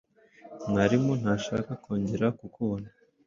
Mwalimu ntashaka kongera kukubona.